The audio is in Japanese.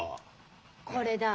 これだ。